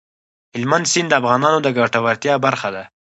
هلمند سیند د افغانانو د ګټورتیا برخه ده.